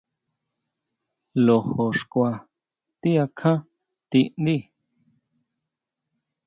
Lojo xkua ti akján tindí.